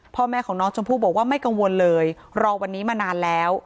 พ่อแม่ของน้องชมพู่บอกว่าไม่กังวลเลยรอวันนี้มานานแล้ว